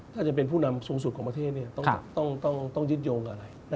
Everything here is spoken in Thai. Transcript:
ถ้าจะเป็นผู้นำสูงสุดของประเทศต้องยึดโยงอะไร